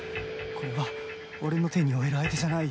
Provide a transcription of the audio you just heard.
これは俺の手に負える相手じゃない！